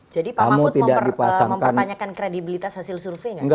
jadi pak mafud mempertanyakan kredibilitas hasil survei nggak